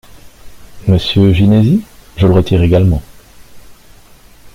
Monsieur Ginesy ? Je le retire également.